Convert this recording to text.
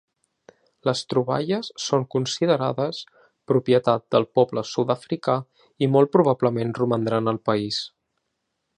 Les troballes són considerades propietat del poble sud-africà i molt probablement romandran al país.